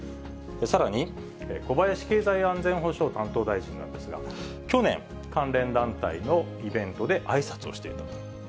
さらに、小林経済安全保障担当大臣なんですが、去年、関連団体のイベントであいさつをしていたと。